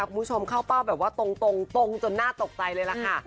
คุณผู้ชมเข้าเป้าแบบว่าตรงตรงจนน่าตกใจเลยล่ะค่ะ